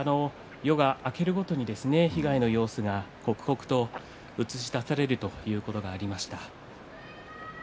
夜が明けるごとに被害の様子が刻々と映し出されるということがありました。